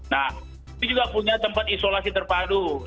nah ini juga punya tempat isolasi terpadu